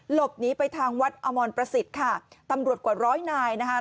หลบหนีไปทางวัดอมรประสิทธิ์ค่ะตำรวจกว่าร้อยนายนะคะ